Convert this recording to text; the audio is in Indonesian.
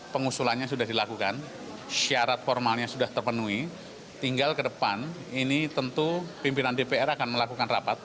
pengusulannya sudah dilakukan syarat formalnya sudah terpenuhi tinggal ke depan ini tentu pimpinan dpr akan melakukan rapat